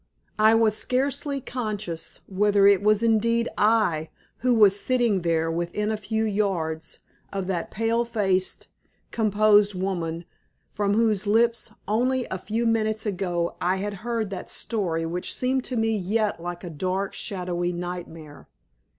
I was scarcely conscious whether it was indeed I who was sitting there within a few yards of that pale faced, composed woman from whose lips only a few minutes ago I had heard that story which seemed to me yet like a dark, shadowy nightmare.